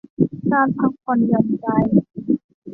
การพักผ่อนหย่อนใจ